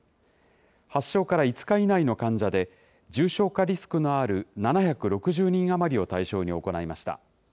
発症から５日以内の患者で、重症化リスクのある７６０人余りを対象に行いました。